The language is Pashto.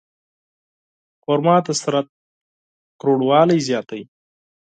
کجورې د بدن قوت زیاتوي.